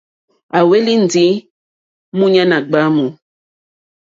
À hwélì ndí múɲánà ɡbwámù.